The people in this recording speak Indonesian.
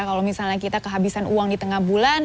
kalau misalnya kita kehabisan uang di tengah bulan